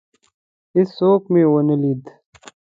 هیڅوک مي ونه لید.